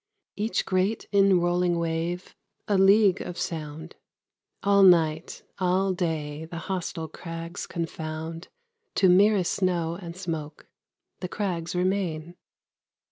Each great inrolling wave, a league of sound, All night, all day, the hostile crags confound To merest snow and smoke. The crags remain.